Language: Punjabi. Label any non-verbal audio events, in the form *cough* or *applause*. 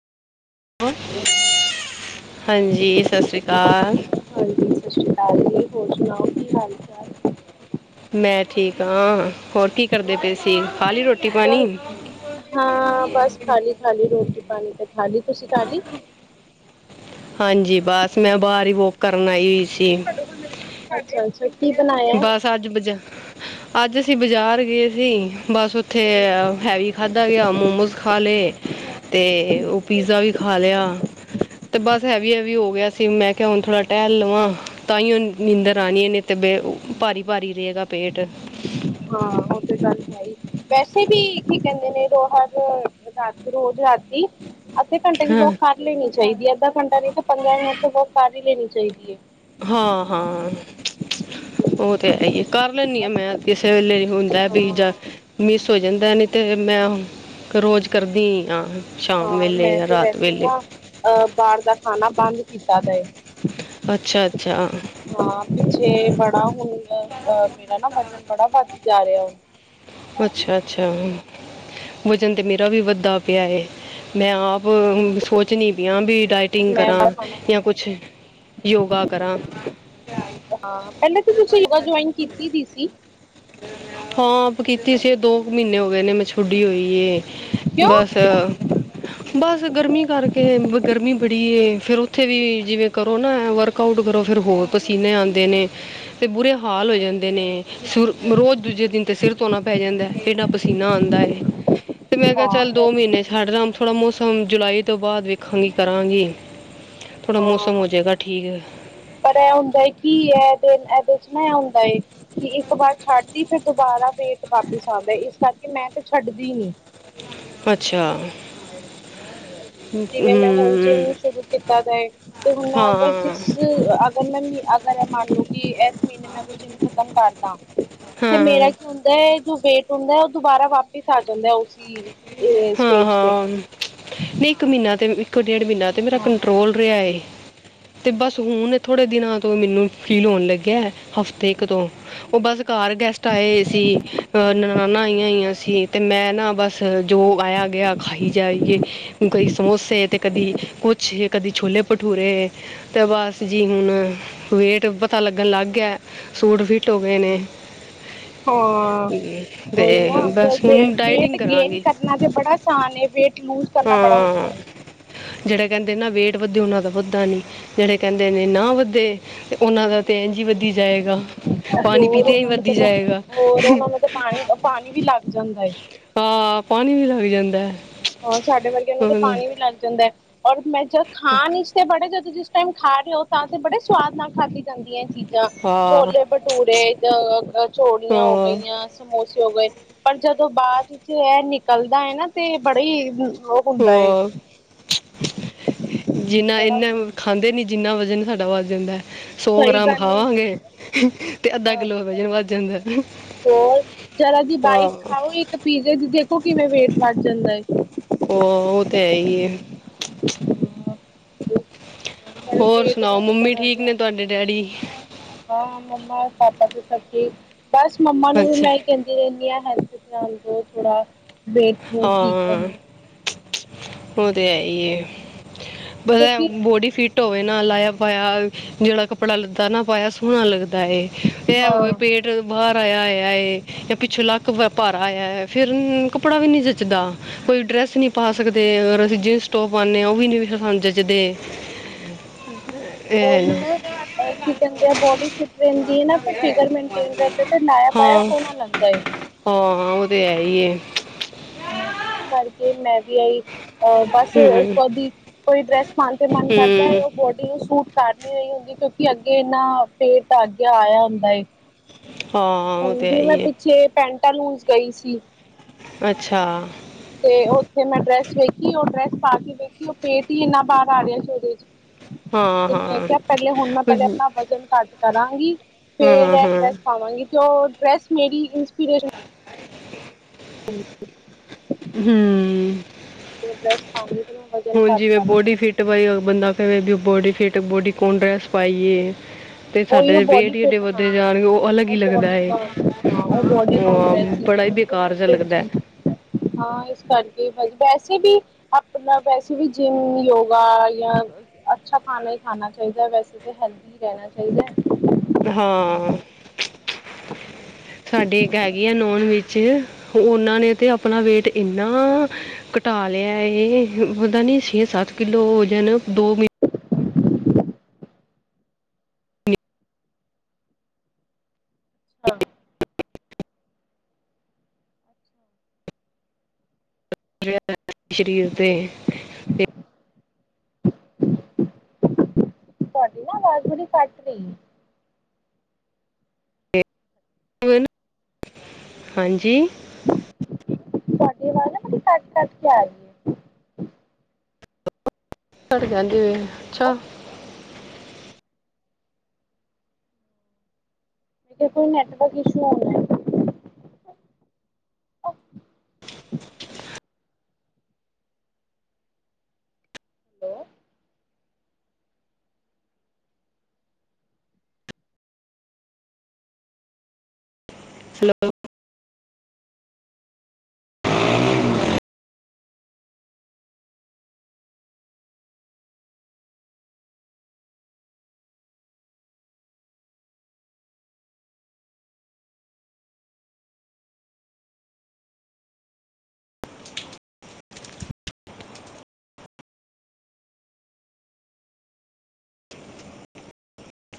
ਹੋਰ ਹਾਂਜੀ। ਸਤਿ ਸ਼੍ਰੀ ਅਕਾਲ। ਹਾਂਜੀ ਸਤਿ ਸ਼੍ਰੀ ਅਕਾਲ ਜੀ ਹੋਰ ਸੁਣਾਓ ਕੀ ਹਾਲ ਚਾਲ ਮੈਂ ਠੀਕ ਹਾਂ। ਹੋਰ ਕੀ ਕਰਦੇ ਪਏ ਸੀ ਖਾ ਲਈ ਰੋਟੀ- ਪਾਣੀ? ਬ ਹਾਂ। ਬਸ ਖਾਲੀ -ਖਾਲੀ ਰੋਟੀ -ਪਾਣੀ ਤੇ ਖਾਲੀ ਤੁਸੀਂ ਖਾਲੀ। ਹਾਂਜੀ। ਬਸ ਮੈਂ ਬਾਹਰ ਹੀ ਬੋਕ ਕਰਨ ਆਈ ਹੋਈ ਸੀ। ਅੱਛਾ- ਅੱਛਾ ਕੀ ਬਣਾਇਆ? ਬਸ ਅੱਜ ਬਾਜ ਅੱਜ ਅਸੀਂ ਬਾਜ਼ਾਰ ਗਏ ਸੀ। ਬਸ ਉੱਥੇ ਅ ਹੈਵੀ ਖਾਧਾ ਗਿਆ। ਮੋਮੋਸ ਖਾ ਲਏ ਤੇ ਉਹ ਪੀਜ਼ਾ ਵੀ ਖਾ ਲਿਆ। ਤੇ ਬਸ ਹੈਵੀ - ਹੈਵੀ ਹੋ ਗਿਆ ਸੀ। ਮੈਂ ਕਿਹਾ, ਹੁਣ ਥੋੜਾ ਟਹਿਲ ਲਵਾਂ। ਤਾਂਹੀ ਉਹ ਨੀਂਦਰ ਆਣੀਏ ਨੇ। ਤੇ ਬ ਭਾਰੀ-ਭਾਰੀ ਰਹੇਗਾ ਵੇਟ। ਹਾਂ। ਉਹ ਤੇ ਗੱਲ ਹੈ ਹੀ ਵੈਸੇ ਵੀ ਕੀ, ਕਹਿੰਦੇ ਨੇ ਰੋ ਹਰ ਰਾਤੀ ਰੋਜ਼ ਰਾਤੀ। ਅੱਧੇ ਘੰਟੇ ਦੀ ਹਾਂ ਵੋਕ ਕਰ ਲੈਣੀ ਚਾਹੀਦੀ ਹੈ ਅੱਧਾ ਘੰਟਾ ਨਹੀਂ ਤੇ ਪੰਦਰਾਂ ਮਿੰਟ ਵੋਕ ਕਰ ਹੀ ਲੇਣੀ ਚਾਹੀਦੀ ਹੈ। ਹਾਂ-ਹਾਂ ਉਹ ਤੇ ਹੈ ਹੀ ਏ। ਕਰ ਲੈਦੀ ਹਾਂ ਮੈਂ ਕਿਸੇ ਵੇਲੇ ਹੁੰਦਾ ਵੀ ਜਾਂ ਮਿਸ ਹੋ ਜਾਂਦਾ ਨੀ ਤੇ ਮੈਂ ਰੋਜ਼ ਕਰਦੀ ਹੀ ਹਾਂ ਸ਼ਾਮ ਹਾਂ ਵੇਲੇ ਮੈਂ ਜਾਂ ਤੇ ਰਾਤ ਵੈਸੇ ਵੇਲੇ। ਨਾ ਅਹ ਬਾਰ ਦਾ ਖਾਣਾ ਬੰਦ ਕੀਤਾ ਵੇ। ਅੱਛਾ-ਅੱਛਾ-ਅੱਛਾ ਹਾਂ। ਪਿੱਛੇ ਬੜਾ ਹੁਣ ਨ ਮੇਰਾ ਨਾ ਵਜਨ ਬੜਾ ਵੱਧਦੀ ਜਾ ਰਿਹਾ। ਹੁਣ, ਅੱਛਾ- ਅੱਛਾ ਵਜਨ ਤੇ ਮੇਰਾ ਵੀ ਵੱਧਦਾ ਪਿਆ ਏ। ਮੈਂ ਆਪ ਹਾਂ ਸੋਚਨੀ ਪਈ ਵੀ ਡਾਈਟਿੰਗ ਮੈਂ ਕਰਾਂ। ਜਾਂ ਹਾਂ ਕੁਛ ਯੋਗਾ ਕਰਾਂ। ਹਾਂ। ਪਹਿਲੇ ਤਾਂ ਤੁਸੀਂ ਜੁਆਇਨ ਕੀਤੀ ਦੀ ਸੀ। ਹਾਂ। ਕੀਤੀ ਸੀ ਦੋ ਕੁ ਮਹੀਨੇ ਹੋ ਗਏ ਨੇ ਮੈਂ ਛੁਟੀ ਹੋਈ ਏ ਕਿਉਂ? ਬਸ। ਬਸ ਗਰਮੀ ਕਰਕੇ, ਗਰਮੀ ਬੜੀ ਏ ਫੇਰ ਉੱਥੇ ਵੀ ਜਿਵੇਂ ਕਰੋ ਨਾ ਅ ਵਰਕ ਆਊਟ ਕਰੋ। ਫਿਰ ਹੋਰ ਪਸੀਨੇ ਆਉਂਦੇ ਨੇ। ਤੇ ਬੁਰੇ ਹਾਲ ਹੋ ਜਾਂਦੇ ਨੇ। ਸੁਰ ਰੋਜ਼ ਦੂਜੇ ਦਿਨ ਤੇ ਸਿਰ ਧੋਣਾ ਪੈ ਜਾਂਦਾ ਇੰਨਾ ਪਸੀਨਾ ਆਉਂਦਾ ਏ। ਤੇ ਮੈਂ ਕਿਹਾ, ਹਾਂ ਚੱਲ ਇਹ ਦੋ ਤੇ ਗੱਲ ਮਹੀਨੇ ਹੈ। ਹਾਡੇ ਰਮ ਥੋੜ੍ਹਾ ਮੌਸਮ ਜੁਲਾਈ ਤੋਂ ਬਾਅਦ ਵੇਖਾਂਗੀ ਕਰਾਂਗੀ। ਥੋੜ੍ਹਾ ਹਾਂ ਮੌਸਮ ਹੋ ਜਾਏਗਾ। ਠੀਕ ਹੈ। ਪਰ ਐ ਹੁੰਦਾ ਕੀ ਹੈ ਇਹਦੇ, ਇਹਦੇ 'ਚ' ਨਾ ਏਹ ਹੁੰਦਾ ਏ ਕਿ ਇੱਕ ਵਾਰ ਛੱਡਦੀ ਫਿਰ ਦੁਬਾਰਾ ਵੇਟ ਵਾਪਿਸ ਆਉਂਦਾ। ਇਸ ਕਰਕੇ ਮੈਂ ਤੇ ਛੱਡਦੀ ਨੀ। ਅੱਛਾ। ਜਿਵੇਂ ਮੈਂ ਹੁਣ ਹਮ, ਜਿੰਮ ਸ਼ੁਰੂ ਕੀਤਾ ਵੇ ਹੁਣ ਮੈਂ ਅਗਰ ਹਾਂ ਜਿਸ ਅਗਰ ਮੈਂ ਅਗਰ ਮੰਨ ਲਓ ਕਿ ਇਸ ਮਹੀਨੇ ਮੈਂ ਅਗ ਜਿੰਮ ਖਤਮ ਕਰਦਾ। ਤੇ ਮੇਰਾ ਹਾਂ ਕੀ ਹੁੰਦਾ ਏ। ਜੋ ਵੇਟ ਹੁੰਦਾ। ਉਹ ਦੁਬਾਰਾ ਵਾਪਿਸ ਆ ਜਾਂਦਾ ਉਸੀ ਇਹ ਹਾਂ ਸਟੇਜ ਤੇ। ਹਾਂ ਨਹੀਂ, ਇੱਕ ਮਹੀਨਾ ਤੇ ਇੱਕੋ ਡੇਢ ਮਹੀਨਾ ਤੇ ਮੇਰਾ ਹਾਂ ਕੰਟਰੋਲ ਰਿਹਾ ਏ ਤੇ ਬਸ ਹੁਣ ਥੋੜੇ ਦਿਨਾਂ ਤੋਂ ਮੈਨੂੰ ਫੀਲ ਹੋਣ ਲੱਗਿਆ। ਹਫ਼ਤੇ ਕ ਤੋਂ ਉਹ ਬਸ ਘਰ ਗੈਸਟ ਆਏ ਹੋਏ ਸੀ। ਅ ਨਨਾਨਾਂ ਆਈਆਂ ਹੋਈਆਂ ਸੀ। ਤੇ ਮੈਂ ਨਾ ਬਸ ਜੋ ਆਇਆ-ਗਿਆ ਖਾਈ ਜਾਈਏ। ਕਦੀ ਸਮੋਸੇ ਤੇ ਕਦੀ ਕੁਛ ਕਦੀ ਛੋਲੇ-ਭਟੂਰੇ। ਉਸ ਦੇ ਬਾਦ ਬਸ ਜੀ ਹੁਣ ਵੇਟ ਪਤਾ ਲੱਗਣ ਲੱਗ ਗਿਆ ਏ ਸੂਟ ਫਿਟ ਹੋ ਗਏ ਨੇ। ਹਾਂ, ਉਹੀ ਤੇ ਨਾ ਅੱਜ-ਕਲ ਬਸ ਹੁਣ ਬੇਟ-ਬੇਟ ਡਾਈਟਿੰਗ ਗੇਨ ਕਰਾਂਗੀ ਕਰਨਾ ਤੇ ਬੜਾ ਆਸਾਨ ਏ, ਵੇਟ ਲੂਜ ਕਰਨਾ ਬੜਾ ਔਖਾ ਹਾਂ ਏ। ਜਿਹੜੇ ਕਹਿੰਦੇ ਨਾ ਵੇਟ ਵਧੇ ਉਹਨਾਂ ਦਾ ਵੱਧਦਾ ਨੀ। ਜਿਹੜੇ ਕਹਿਦੇ ਨੇ ਨਾ ਵੱਧੇ ਤੇ ਉਹਨਾ ਦਾ ਤੇ ਇੰਝ ਹੀ ਵਧੀ ਜਾਏਗਾ। ਪਾਣੀ ਹੋਰ ਪੀਤੇ ਹੀ ਉਹਨਾ ਨੂੰ ਤਾਂ ਵਧੀ ਜਾਏਗਾ ਹੋਰ ਉਹਨਾ ਨੂੰ ਤਾਂ ਪਾਣੀ-ਪਾਣੀ ਵੀ ਲਗ ਜਾਦਾਂ ਏ। ਆ ਪਾਣੀ ਵੀ ਲੱਗ ਜਾਦਾ ਹੈ। ਹ ਸਾਡੇ ਵਰਗੇਆਂ ਨੂੰ ਹਾਂ ਤੇ ਪਾਣੀ ਵੀ ਲਗ ਜਾਦਾ ਹੈ, ਔਰ ਮੈ ਜਦ ਖਾਣ ਹੀ ਚ ਬੜੇ ਜਦੋ ਜਿਸ ਟਾਈਮ ਖਾ ਰਹੇ ਹੋ ਤਾਂ ਤੇ ਬੜੇ ਸਵਾਦ ਨਾਲ ਖਾਧੀ ਜਾਦੀ ਹੈ ਇਹ ਚੀਜ ਜਾਂ ਹਾਂ ਛੋਲੇ ਭਟੂਰੇ, ਜਾ ਕਚੋੜੀਆਂ ਹੋ ਗਈਆਂ। ਸਮੋਸੇ ਹੋ ਗਏ ਪਰ ਜਦੋਂ ਬਾਅਦ ਵਿਚ ਇਹ ਨਿਕਲਦਾ ਹੈਨਾ ਤੇ ਬੜੇ ਹੀ ਉਹ ਹੁੰਦਾ ਏ। ਹਾਂ। ਜਿਨਾ ਬੜਾ ਇੱਨਾ ਖਾਂਦੇ ਨਹੀ ਜਿਨਾ ਵਜ਼ਨ ਸਾਡਾ ਵੱਧ ਜਾਦਾ ਏ। ਸੌ ਸਹੀ ਗ੍ਰਾਮ ਗੱਲ ਏ ਖਾਵਾਂਗੇ ਤੇ ਅੱਧਾ ਹਾਂ ਕਿਲੋ ਵਜਨ ਵੱਧ ਜਾਦਾ--ਜਾਦਾ ਏ। ਹੋਰ ਜਰਾ ਦੀ ਬਾਈਟ ਖਾਓ ਇਕ ਪੀਜੇ ਦੀ ਦੇਖੋ ਕਿਵੇ ਵੇਟ ਵਰ ਜਾਦਾ ਹੈ। ਉਹ ਤੇ ਹੈਹੀ ਏ। *inaudible* ਬੜੇ ਹੋਰ ਪੇਟ ਸੁਣਾਓ, ਦਾ ਤੇ ਮੰਮੀ ਬੜਾ ਠੀਕ ਧਿਆਨ ਨੇ ਤੁਹਾਡੇ ਡੈਡੀ ਹਾਂ, ਮੰਮਾ-ਪਾਪਾ ਤੇ ਸਭ ਠੀਕ ਬਸ ਮੰਮਾ ਨੂੰ ਵੀ ਅੱਛਾ ਮੈ ਕਹਿਦੀ ਰਹਿਦੀ ਆ, ਹੈਲਥ ਧਿਆਨ ਦੇ ਥੋੜਾ ਵੇਟ ਵੂਟ ਠੀਕ ਹਾਂ, ਕਰੋ ਉਹ ਤੇ ਹੈਈ ਏ। ਬਾਲੇਆ ਕਿਉਂਕਿ ਬੋਡੀ ਫੀਟ ਢੋਯੇ ਨਾਲ ਲਾਇਆ-ਪਾਇਆ ਜਿਹੜਾ ਕੱਪੜਾ-ਲੱਦਾ ਨਾ ਪਾਇਆ ਸੋਹਣਾ ਲਗਦਾ ਏ। ਤੇ ਹਾਂ ਹੋਵੇ ਪੇਟ ਟ ਬਾਹਰ ਆਇਆ ਹੋਇਆ ਏ ਜਾਂ ਪਿੱਛੋਂ ਲੱਕ ਭਾਰਾ ਹੋਇਆ ਹੈ, ਫੇਰ ਕੱਪੜਾ ਵੀ ਨੀ ਜੱਚਦਾ। ਕੋਈ ਡਰੈਸ ਨਹੀ ਪਾ ਸਕਦੇ ਅਗਰ ਅਸੀ ਜਿਨ ਟੋਪ ਪਾਉਨੇ ਆ ਉਹ ਵੀ ਨੀ ਸਾਨੂੰ ਜਚਦੇ। ਓਹੀ ਨਾ ਅਹ ਕੀ ਕਹਿਦੇ ਆ ਬੋਡੀ ਫਿਟ ਰਹਿਦੀ ਹਨਾ ਫਿਰ ਫਿਗਰ ਮੇਨਟੇਨ ਰਹਿਦਾ ਤੇ ਲਾਇਆ-ਪਾਇਆ ਸੋਹਣਾ ਲੱਗਦਾਏ- ਹਾਂ-ਹਾਂ, ਉਹ ਤੇ ਹੈਹੀ ਏ। ਆ ਇਸ ਕਰਕੇ ਮੈ ਵੀ ਇਹੀ ਆ ਬਸ ਹੂੰ ਕਦੀ ਕੋਈ ਡਰੈਸ ਪਾਉਣ ਤੇ ਮਨ ਕਰਦਾ ਹੈ, ਹੂੰ ਉਹ ਬੋਡੀ ਨੂੰ ਸੂਟ ਕਰਨੀ ਰਹੀ ਹੁੰਦੀ ਕਿਉਕਿ ਅਗੇ ਇਨਾ ਪੇਟ ਤਾਂ ਅਗੇ ਆਇਆ ਹੁੰਦਾ ਏ। ਹਾਂ ਉਹ ਹੁਣ ਤੇ ਹੈ ਵੀ ਹੀ ਮੈ ਏ ਪਿੱਛੇ ਪੈਂਟਾਂ ਲੂਜ ਗਈ ਸੀ। ਅੱਛਾ। ਤੇ ਉਥੇ ਮੈ ਡਰੈਸ ਵੇਖੀ, ਉਹ ਡਰੈਸ ਪਾ ਕੇ ਵੇਖੀ ਉਹ ਪੇਟ ਹੀ ਇਨਾ ਬਾਹਰ ਆ ਰਿਹਾ ਉਹਦੇ ਚ। ਹਾਂ ਤੇ ਮੈ ਹਾਂ ਕਿਹਾ, ਪਹਿਲੇ ਹੁਣ ਮੈ ਪਹਿਲੇ ਆਪਣਾ ਵਜ਼ਨ ਘੱਟ ਕਰਾਗੀ। ਫੇਰ ਹਾਂ ਇਹ ਹਾਂ ਡਰੈਸ ਪਾਵਾਂਗੀ ਤੇ ਉਹ ਡਰੈਸ ਮੇਰੀ ਇੰਸਪੀਰੇਸ਼ਨ *inaudible* ਹੂੰ। ਹੁੰ। ਜਿਵੇ ਡਰੈਸ ਪਾਂਦੀ ਸੀ ਨਾ ਹੁਨ ਜਿਵੇ ਬੋਡੀ ਫਿਟ ਪਾਈ ਬੰਦਾ ਕਵੇ ਬੋਡੀ ਫਿਟ ਬੋਡੀ ਕੌਨ ਡਰੈਸ ਪਾਈਏ- ਤੇ ਉਹੀ ਉਹ ਸਾਡੇ ਬੋਡੀ ਵੇਟ ਈ ਏਡੇ ਫਿਟ ਵੱਧਦੇ ਹਾਂ ਜਾ ਰਹੇ ਉਹ ਅਲੱਗ ਹੀ ਲੱਗਦਾ ਹੈ ਬੋਡੀਕੋਨ ਹਾਂ ਉਹ ਬੋਡੀਕੋਨ ਉਹ ਡਰੈਸ ਸੀ ਤੇ ਬੜਾ ਉਹ ਹੀ ਬ- ਬਿਲਕੁਲ ਕਾਰ ਫਿਟਡ ਝਲਕਦਾ- ਸੀ *unintelligible* ਹਾਂ ਇਸ ਕਰਕੇ ਬਸ ਵੈਸੇ ਵੀ- ਅਪਨਾ ਵੈਸੇ ਵੀ ਜਿੰਮ ਯੋਗਾ ਯਾ- ਅਛਾ ਖਾਨਾ ਹੀ ਖਾਨਾ ਚਾਹੀਦਾ ਵੈਸੇ ਤੇ ਹੈਲਦੀ ਰਹਿਣਾ ਚਾਹੀਦਾ। ਹਾਂ- ਹ *inaudible* *inaudible* ਸਾਡੀ ਇਕ ਹੈਗੀ ਆ ਨੋਨ ਵਿਚ ਉਹਨਾ ਨੇ ਤੇ ਅਪਣਾ ਵੇਟ ਏਨਾ- ਘਟਾ ਲਿਆ ਏ ਪਤਾ ਨੀ ਛੇ ਸੱਤ ਕਿਲੋ ਵਜਨ ਦੋ ਮ- ਹਾਂ- ਜਿਹੜ ਸ਼ਰੀਰ 'ਤੇ- ਤੁਆਡੀ ਨਾ ਅਵਾਜ ਬੜੀ ਕਟ ਰਈ ਏ। ਤੇ ਹਾਂਜੀ। ਤੁਹਾਡੀ ਆਵਾਜ਼ ਨਾ ਬੜੀ ਕੱਟ ਕੱਟ ਕੇ ਆ ਰੀ। ਘੜ ਗੇਂਦੇ ਵੇਂ ਅੱਛਾ। ਹੈਲੋ *unintelligible* ਇਥੇ ਕੋਈ ਨੈਟਵਰਕ ਇਸ਼ੂ ਹੋਨਾ। Hello hello *unintelligible*